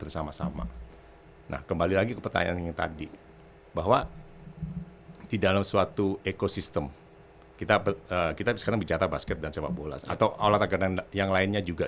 semua orang mempunyai kepentingan